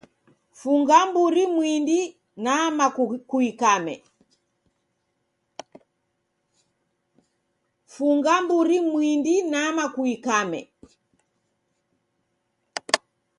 Funga mburi mindi nama kuikame